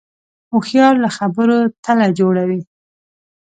هوښیار له خبرو تله جوړوي